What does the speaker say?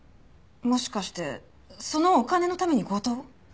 もしかしてそのお金のために強盗を？